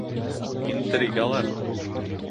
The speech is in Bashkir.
Интригалар!